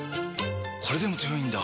これでも強いんだ！